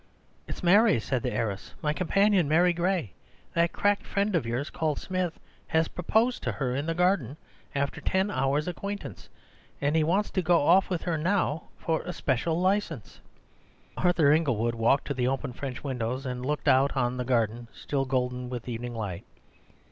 "It's Mary," said the heiress, "my companion Mary Gray: that cracked friend of yours called Smith has proposed to her in the garden, after ten hours' acquaintance, and he wants to go off with her now for a special licence." Arthur Inglewood walked to the open French windows and looked out on the garden, still golden with evening light.